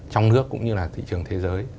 trong nước cũng như là thị trường thế giới